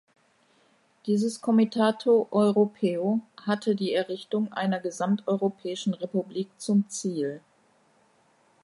Dieses Comitato Europeo hatte die Errichtung einer gesamteuropäischen Republik zum Ziel.